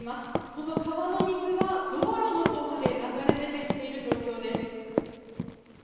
その川の水は道路のほうまで流れ出てきている状況です。